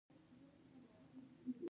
علمي مرکزونه دې پښتو ته وده ورکړي.